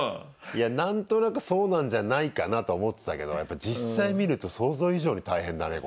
いや何となくそうなんじゃないかなとは思ってたけどやっぱり実際見ると想像以上に大変だね